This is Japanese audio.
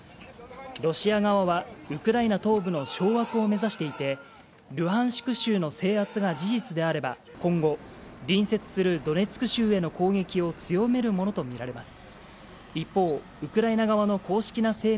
ロシア側は、ウクライナ東部の掌握を目指していて、ルハンシク州の制圧が事実であれば、今後、隣接するドネツク州への攻撃を強めるものと見られます。